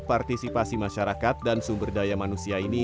partisipasi masyarakat dan sumber daya manusia ini